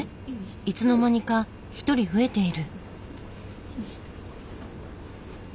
いつの間にか１人増えている。